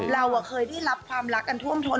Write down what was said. เราเคยได้รับความรักกันท่วมทน